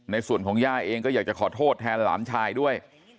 ในส่วนของย่าเองก็อยากจะขอโทษแทนหลานชายด้วย